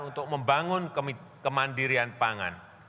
untuk membangun kemandirian pangan